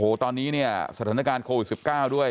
โอ้โหตอนนี้เนี่ยสถานการณ์โควิด๑๙ด้วย